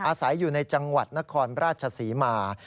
อาศัยอยู่ในจังหวัดนครราชศรีมา